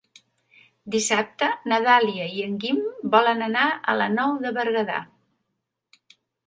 Dissabte na Dàlia i en Guim volen anar a la Nou de Berguedà.